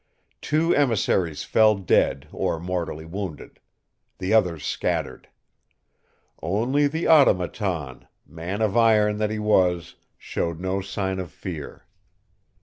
Two emissaries fell dead or mortally wounded. The others scattered. Only the Automaton, man of iron that he was, showed no sign of fear.